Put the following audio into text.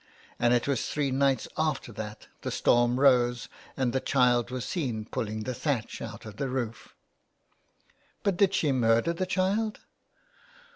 And it was three nights after that the storm rose and the child was seen pulling the thatch out of the roof.'' " But, did she murder the child